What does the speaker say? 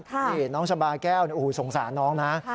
นี่น้องชาบาแก้วสงสารน้องนะ